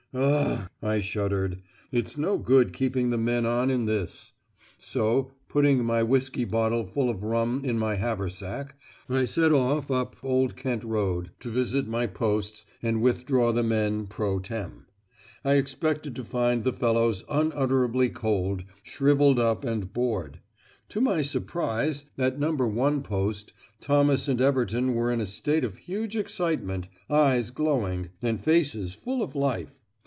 "U u u gh," I shuddered, "it's no good keeping the men on in this"; so, putting my whiskey bottle full of rum in my haversack, I set off up Old Kent Road to visit my posts and withdraw the men pro tem. I expected to find the fellows unutterably cold, shrivelled up, and bored. To my surprise, at No. 1 post Thomas and Everton were in a state of huge excitement, eyes glowing, and faces full of life.